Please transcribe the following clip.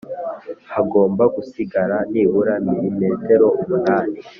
hagomba gusigara nibura milimetero umunani.